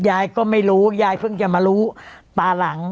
ยายก็ไม่รู้ยายเพิ่งจะมารู้ตาหลัง